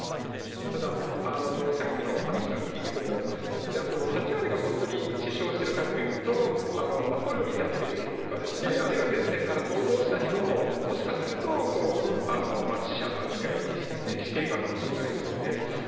ただ、さっきの話を聞いてても８割が本当に死傷しているかというと捕虜になってる人とかあるいは前線から逃亡した人ももしかすると、死者の扱いにしているのかもしれないですよね。